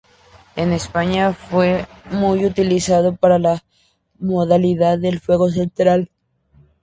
En España fue muy utilizado para la modalidad de Fuego Central.